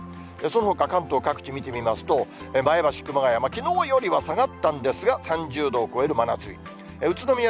そのほか関東各地見てみますと、前橋、熊谷、きのうよりは下がったんですが、３０度を超える真夏日。